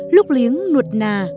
lúc liếng nuột nà